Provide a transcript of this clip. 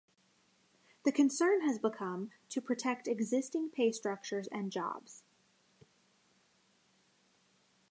The concern has become to protect existing pay structures and jobs.